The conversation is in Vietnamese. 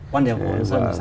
quan điểm của dân là sao